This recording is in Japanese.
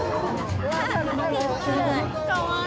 かわいい。